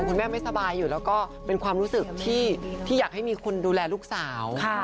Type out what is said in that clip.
คุณแม่ไม่สบายอยู่แล้วก็เป็นความรู้สึกที่อยากให้มีคนดูแลลูกสาว